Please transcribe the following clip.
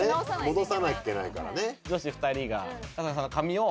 戻さなきゃいけないからね。